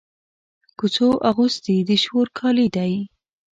کوڅو اغوستي د شور کالي دی